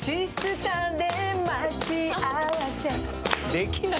できない。